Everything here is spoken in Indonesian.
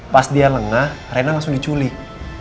pas dia lengah rena langsung diculik